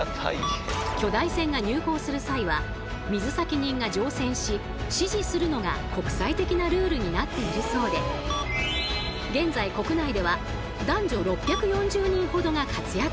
巨大船が入港する際は水先人が乗船し指示するのが国際的なルールになっているそうで現在国内では男女６４０人ほどが活躍中。